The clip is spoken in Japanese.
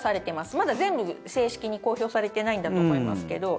まだ全部正式に公表されてないんだと思いますけど。